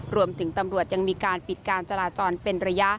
ตำรวจยังมีการปิดการจราจรเป็นระยะ